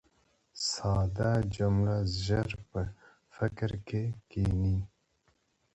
ساده جمله ژر په فکر کښي کښېني.